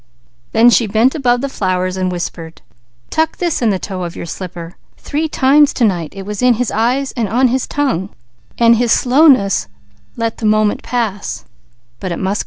Then she bent above the flowers and whispered: "Tuck this in the toe of your slipper! Three times to night it was in his eyes, and on his tongue, but his slowness let the moment pass.